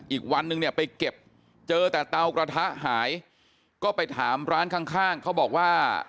อีกวันนึงเนี่ยไปเก็บเจอแต่เตากระทะหายก็ไปถามร้านข้างข้างเขาบอกว่า